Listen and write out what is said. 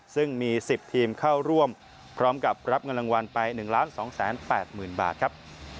ซึ่งมี๑๐ทีมเข้าร่วมพร้อมกับรับเงินรางวัลไป๑๒๘๐๐๐บาทครับ